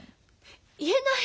言えない。